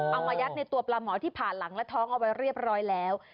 มายัดในตัวปลาหมอที่ผ่านหลังและท้องเอาไว้เรียบร้อยแล้ว